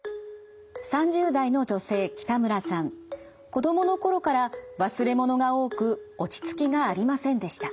子どもの頃から忘れ物が多く落ち着きがありませんでした。